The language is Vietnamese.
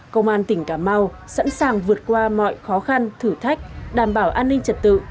công an tỉnh cà mau sẵn sàng vượt qua mọi khó khăn thử thách đảm bảo an ninh trật tự